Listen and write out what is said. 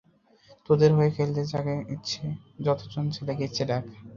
তোদের হয়ে খেলতে যাকে ইচ্ছা, যতো জন ছেলেকে ইচ্ছা ডাক।